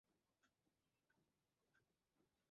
রাখালিনী আর কীভাবে সেই ফারাক বুঝবে?